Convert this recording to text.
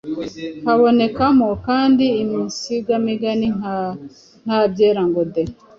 Habonekamo kandi insigamigani nka Ntabyera ngo de,